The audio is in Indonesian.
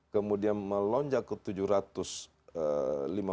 kemudian melonjak ke rp tujuh ratus miliar